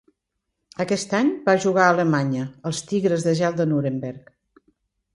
Aquest any va jugar a Alemanya als Tigres de Gel de Nuremberg.